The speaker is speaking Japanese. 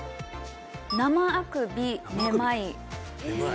生あくびめまいですね